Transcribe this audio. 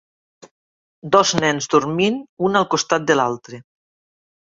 Dos nens dormint un al costat de l'altre.